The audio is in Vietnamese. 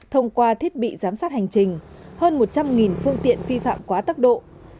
thông qua thiết bị giám sát hành trình hơn một trăm linh phương tiện phi phạm quá tắc độ